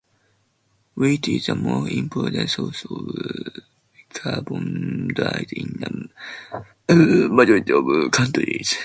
Wheat is the most important source of carbohydrate in a majority of countries.